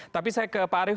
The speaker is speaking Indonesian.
tapi saya ke pak arief